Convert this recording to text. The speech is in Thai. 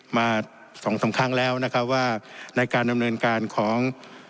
มาสองสามครั้งแล้วนะครับว่าในการดำเนินการของ